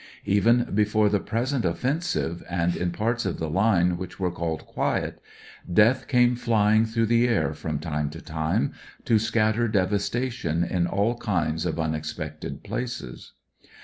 Even before the present offensive, and in parts of the Ime which were called "quiet," death came flying through the air from time to tune, to scatter devasta tion in all kinds of imexpected places.